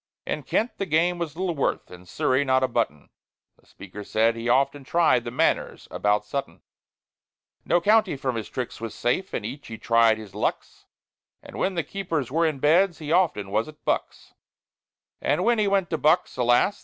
In Kent the game was little worth, In Surrey not a button; The Speaker said he often tried The Manors about Button. No county from his tricks was safe; In each he tried his lucks, And when the keepers were in Beds, He often was at Bucks. And when he went to Bucks, alas!